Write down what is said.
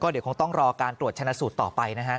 เดี๋ยวคงต้องรอการตรวจชนะสูตรต่อไปนะฮะ